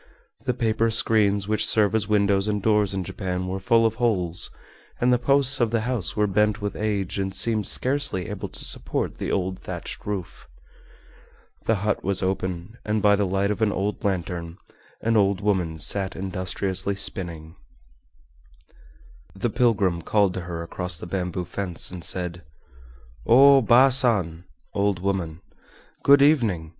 The paper screens which serve as windows and doors in Japan were full of holes, and the posts of the house were bent with age and seemed scarcely able to support the old thatched roof. The hut was open, and by the light of an old lantern an old woman sat industriously spinning. The pilgrim called to her across the bamboo fence and said: "O Baa San (old woman), good evening!